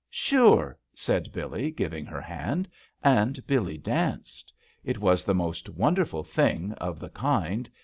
'*Surel" said Billee, giving her hand. And Billee danced. It was the most wonderful thing, of the kind.